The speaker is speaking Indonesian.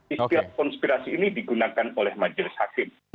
istilah konspirasi ini digunakan oleh majelis hakim